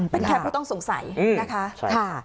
เป็นแค่ผู้ต้องสงสัยนะคะ